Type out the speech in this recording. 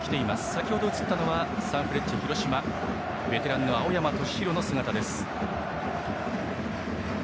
先ほど映ったのはサンフレッチェ広島ベテランの青山敏弘の姿です。